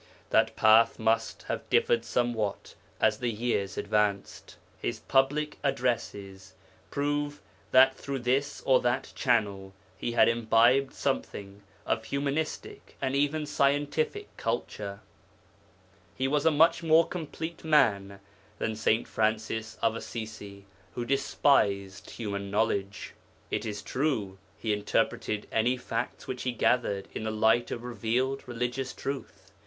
That path must have differed somewhat as the years advanced. His public addresses prove that through this or that channel he had imbibed something of humanistic and even scientific culture; he was a much more complete man than St. Francis of Assisi, who despised human knowledge. It is true he interpreted any facts which he gathered in the light of revealed religious truth.